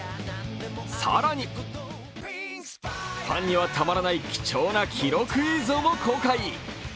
更にファンには、たまらない貴重な記録映像も公開。